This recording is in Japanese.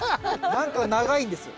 何か長いんですよ。